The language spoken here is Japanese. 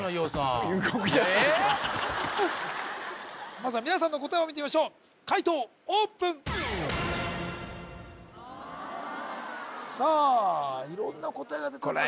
まずは皆さんの答えを見てみましょう解答オープンさあ色んな答えが出ておりますね